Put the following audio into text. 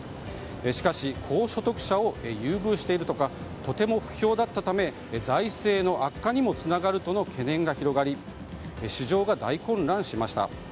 しかし高所得者を優遇しているとかとても不評だったため財政の悪化にもつながるとの懸念が広がり市場が大混乱しました。